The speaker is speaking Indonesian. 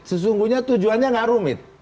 sesungguhnya tujuannya gak rumit